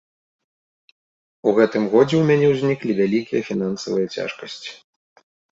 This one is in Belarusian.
У гэтым годзе ў мяне ўзніклі вялікія фінансавыя цяжкасці.